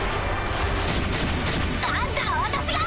あんたは私が！